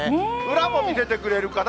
裏も見せてくれるかな？